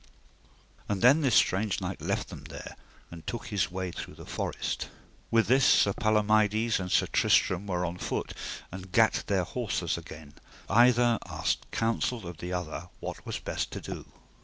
And then this strange knight left them there, and took his way through the forest. With this Sir Palomides and Sir Tristram were on foot, and gat their horses again, and either asked counsel of other, what was best to do.